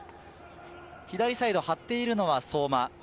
左サイド、張っているのは相馬。